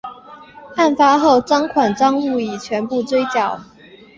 案发后赃款赃物已全部追缴。